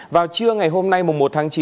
vào trưa ngày hôm nay một tháng chín